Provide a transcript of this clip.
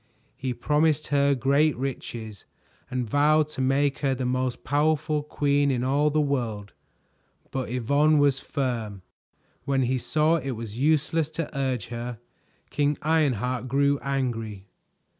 He promised her great riches and vowed to make her the most powerful queen in all the world, but Yvonne was firm. When he saw it was useless to urge her, King Ironheart grew angry.